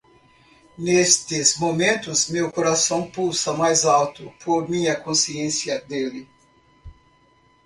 Nestes momentos meu coração pulsa mais alto por minha consciência dele.